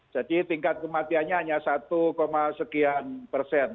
jadi tingkat kematiannya hanya satu sekian persen